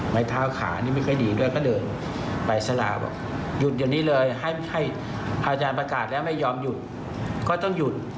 ไหมเท้าขานี่ไม่ควรดีด้วยก็เดินไปคุณ